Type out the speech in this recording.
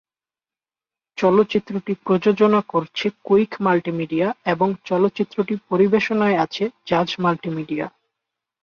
চলচ্চিত্রটি প্রযোজনা করছে কুইক মাল্টিমিডিয়া এবং চলচ্চিত্রটি পরিবেশনায় আছে জাজ মাল্টিমিডিয়া।